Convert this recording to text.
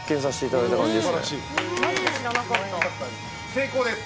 成功です。